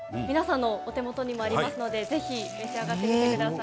皆さんのお手元にもありますのでぜひ召し上がってみてください。